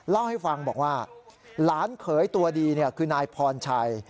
เล่าให้ฟังบอกว่าหลานเขยตัวดีคือนายพรชัย